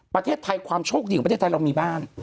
ประเทศไทยความโชคดีของประเทศไทยเรามีบ้าน